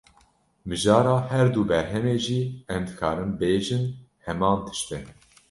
Mijara her du berhemê jî, em dikarin bêjin heman tişt e